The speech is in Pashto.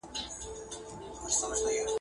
زه به سبا مېوې راټولې کړم؟